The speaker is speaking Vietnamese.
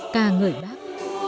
ca người bác